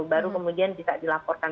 baru kemudian bisa dilaporkan